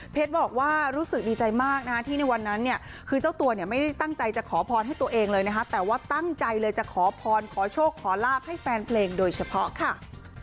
บอกว่ารู้สึกดีใจมากนะที่ในวันนั้นเนี่ยคือเจ้าตัวเนี่ยไม่ได้ตั้งใจจะขอพรให้ตัวเองเลยนะคะแต่ว่าตั้งใจเลยจะขอพรขอโชคขอลาบให้แฟนเพลงโดยเฉพาะค่ะ